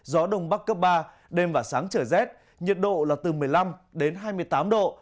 gió đông bắc cấp ba đêm và sáng trở rét nhiệt độ là từ một mươi năm đến hai mươi tám độ